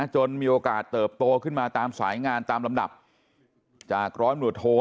มีโอกาสเติบโตขึ้นมาตามสายงานตามลำดับจากร้อยหวดโท